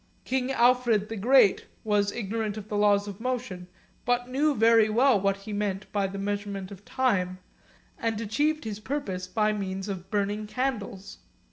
King Alfred the Great was ignorant of the laws of motion, but knew very well what he meant by the measurement of time, and achieved his purpose by means of burning candles.